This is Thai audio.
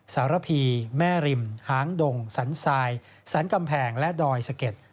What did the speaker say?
สารพีแม่ริมหางดงสันทรายสรรกำแพงและดอยสะเก็ด